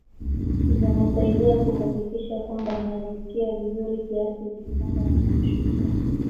Zinasaidia kuhakikisha kwamba unajisikia vizuri kiasi ukipanda na ukishuka